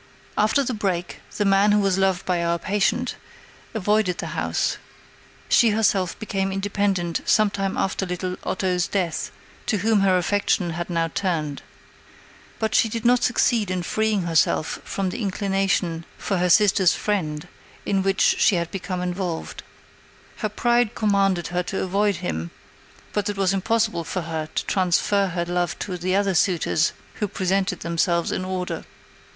After the break, the man who was loved by our patient avoided the house: she herself became independent some time after little Otto's death, to whom her affection had now turned. But she did not succeed in freeing herself from the inclination for her sister's friend in which she had become involved. Her pride commanded her to avoid him; but it was impossible for her to transfer her love to the other suitors who presented themselves in order.